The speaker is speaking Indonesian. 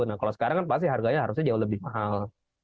nah kalau sekarang kan pasti harganya harusnya jauh lebih mahal